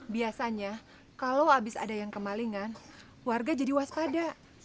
biasanya kalau habis ada yang kemalingan warga jadi waspada